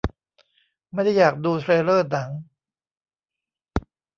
ไม่ได้อยากดูเทรลเลอร์หนัง